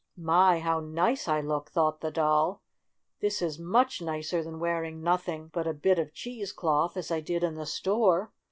"My, how nice I look," thought the doll. "This is much nicer than wearing nothing but a bit of cheese cloth, as I did in the store.